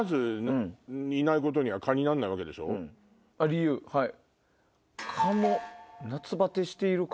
理由はい。